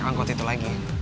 eh bocor gitu deh